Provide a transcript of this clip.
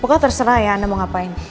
pokoknya terserah ya anda mau ngapain